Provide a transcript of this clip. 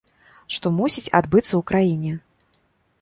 Што мусіць адбыцца ў краіне.